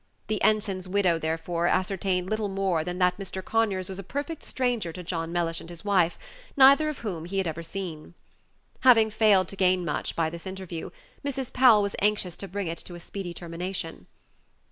The ensign's widow, therefore, ascertained little more than that Mr. Conyers was a perfect stranger to John Mellish and his wife, neither of whom he had ever seen. Having failed to gain much by this interview, Mrs. Powell was anxious to bring it to a speedy termination.